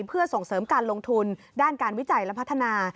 เพื่อส่งเสริมการลงทุนด้านการวิจัยและพัฒนา